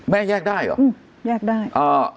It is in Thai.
แม่แยกได้เหรอ